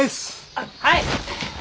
あっはい！